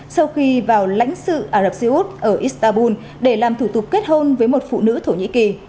sau khi vào lãnh sự ả rập xê út ở istanbul để làm thủ tục kết hôn với một phụ nữ thổ nhĩ kỳ